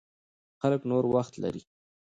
خلک نور وخت لري.